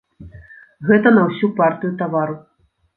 Гэта на ўсю партыю тавару.